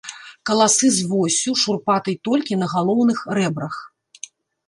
Каласы з воссю, шурпатай толькі на галоўных рэбрах.